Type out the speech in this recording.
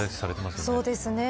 そうですね